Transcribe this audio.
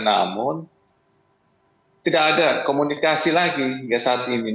namun tidak ada komunikasi lagi hingga saat ini